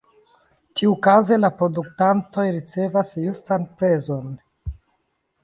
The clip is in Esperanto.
Tiukaze la produktantoj ricevas justan prezon.